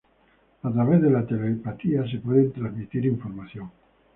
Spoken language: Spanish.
a través de la telepatía se puede transmitir información